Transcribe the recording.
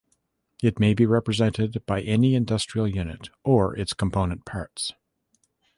It may be represented by any industrial unit or its component parts.